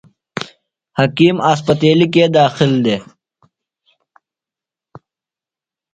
حکیم اسپتیلیۡ کے داخل دےۡ؟